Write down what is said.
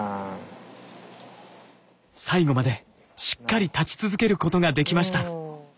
最後までしっかり立ち続けることができました。